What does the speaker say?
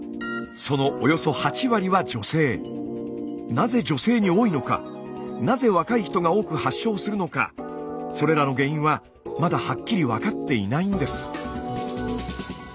なぜ女性に多いのかなぜ若い人が多く発症するのかそれらの原因はまだはっきり分かっていないんです。